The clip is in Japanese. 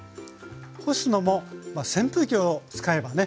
干すのもまあ扇風機を使えばね